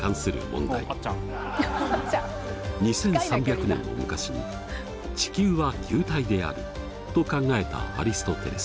２，３００年も昔に地球は球体であると考えたアリストテレス。